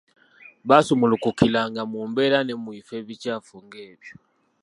Baasumulukukiranga mu mbeera ne mu bifo ebikyafu ng’ebyo.